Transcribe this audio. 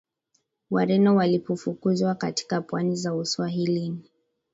Wareno walipofukuzwa katika pwani za Uswahilini